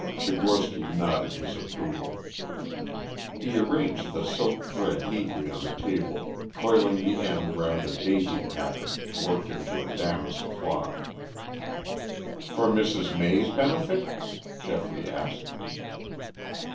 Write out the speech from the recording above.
Tchigorsky nodded his approval. He arranged the silk thread neatly on the table, coiling the end round a daisy pattern worked into the damask cloth. "For Mrs. May's benefit?" Geoffrey asked.